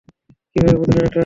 কীভাবে বুঝলেন এটা?